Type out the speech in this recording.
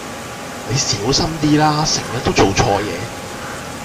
你小心啲啦成日都做錯嘢